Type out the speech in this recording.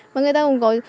mà người ta không có